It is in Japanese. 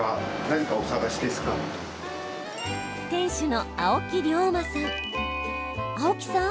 店主の青木良磨さん。